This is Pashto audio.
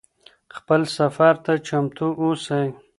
خپل سفر ته چمتو اوسئ.